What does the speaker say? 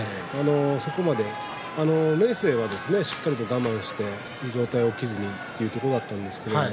そこまで明生はしっかり我慢して上体、起きずにというところでした。